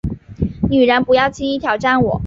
女人，不要轻易挑战我